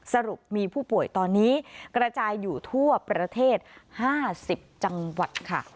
สรุปมีผู้ป่วยตอนนี้กระจายอยู่ทั่วประเทศ๕๐จังหวัดค่ะ